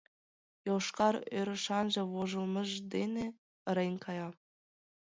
Йошкар ӧрышанже вожылмыж дене ырен кая.